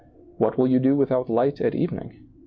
What will you do with out light at evening